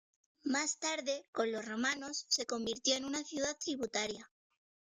Más tarde, con los romanos, se convirtió en una ciudad tributaria.